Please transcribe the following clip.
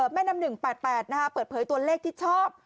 แม่น้ำหนึ่งแปดแปดนะฮะเปิดเผยตัวเลขที่ชอบ